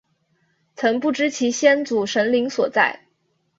曾不知其先祖神灵所在。